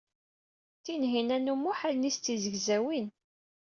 Tinhinan u Muḥ allen-is d tizegzawin.